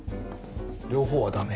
両方はダメ？